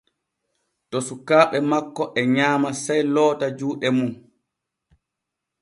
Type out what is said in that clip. To sukaaɓe makko e nyaama sey loota juuɗe mum.